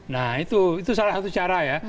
nah itu salah satu cara ya